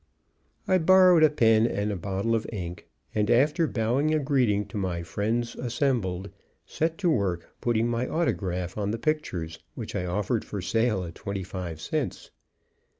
I borrowed a pen and bottle of ink, and, after bowing a greeting to my friends assembled, set to work putting my autograph on the pictures, which I offered for sale at twenty five cents.